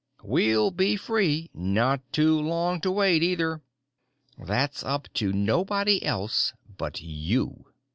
_ "We'll be free. Not too long to wait, either " _That's up to nobody else but you!